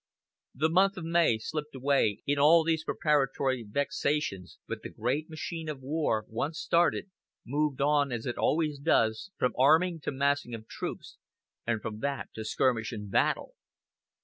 The month of May slipped away in all these preparatory vexations; but the great machine of war, once started, moved on as it always does, from arming to massing of troops, and from that to skirmish and battle.